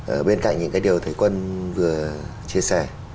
ở bên cạnh những cái điều thầy quân vừa chia sẻ